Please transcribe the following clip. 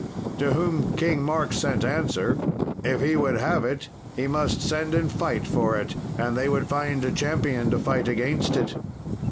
To whom King Mark sent answer, if he would have it he must send and fight for it, and they would find a champion to fight against it.